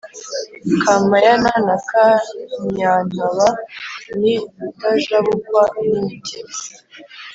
Kampayana ka Nyantaba ni Rutajabukwa-n‘imitima